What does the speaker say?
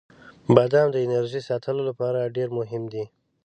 • بادام د انرژۍ ساتلو لپاره ډیر مهم دی.